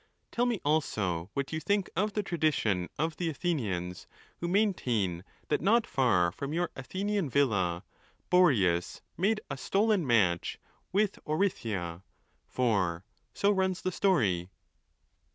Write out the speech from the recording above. Tell me also what you think of the tradition of the Athenians, who maintain that not far from your Athenian villa, Boreas made a stolen match with Orithya, for so runs the story.